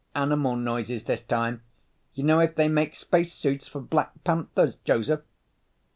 Animal noises this time. You know if they make spacesuits for black panthers, Joseph?"